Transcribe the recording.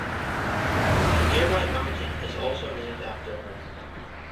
A nearby mountain is also named after her.